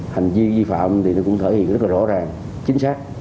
hành vi vi phạm cũng thể hiện rất rõ ràng chính xác